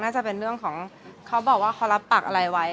จะเป็นเรื่องของเขาบอกว่าเขารับปากอะไรไว้